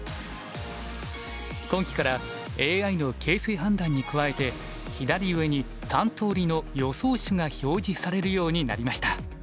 今期からＡＩの形勢判断に加えて左上に３とおりの予想手が表示されるようになりました。